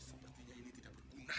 sepertinya ini tidak berguna